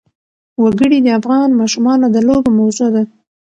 وګړي د افغان ماشومانو د لوبو موضوع ده.